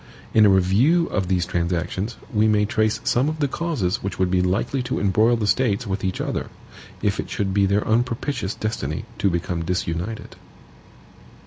In a review of these transactions we may trace some of the causes which would be likely to embroil the States with each other, if it should be their unpropitious destiny to become disunited.